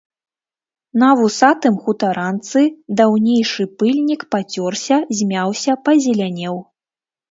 На вусатым хутаранцы даўнейшы пыльнік пацёрся, змяўся, пазелянеў.